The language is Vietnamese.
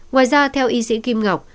ngoài ra theo y sĩ kim ngọc